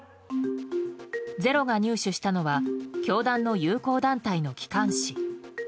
「ｚｅｒｏ」が入手したのは教団の友好団体の機関紙。